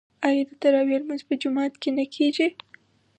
آیا د تراويح لمونځ په جومات کې نه کیږي؟